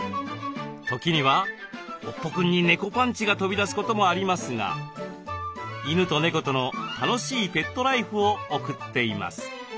時にはおっぽくんに猫パンチが飛び出すこともありますが犬と猫との楽しいペットライフを送っています。